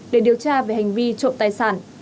để điều tra về hành vi trộm tài sản